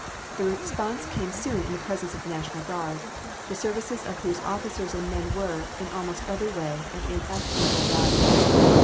The response came soon in the presence of the National Guard, the services of whose officers and men were, in almost every way, of inestimable value.